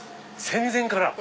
戦前から！